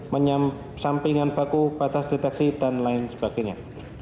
penyampingan baku batas deteksi dan lain sebagainya